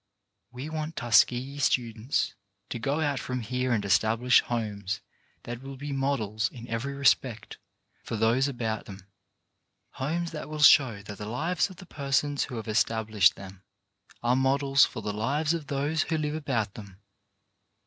We want Tuskegee students to go out from here and establish homes that will be models in every respect for those about them — homes that will show that the lives of the persons who have established them are models for the lives of those who live about them.